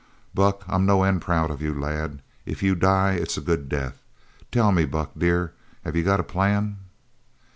"Buck, I'm no end proud of you, lad. If you die, it's a good death! Tell me, Buck dear, have you got a plan?"